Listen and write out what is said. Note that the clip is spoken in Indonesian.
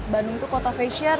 bandung tuh kota fashion